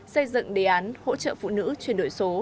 xây dựng đề án hỗ trợ phụ nữ chuyển đổi số